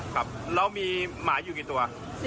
ครับแล้วมีหมาอยู่กี่ตัว